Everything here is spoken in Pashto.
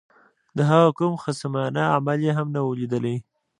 د هغه کوم خصمانه عمل یې هم نه وو لیدلی.